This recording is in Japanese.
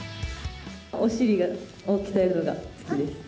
お尻を鍛えるのが好きです。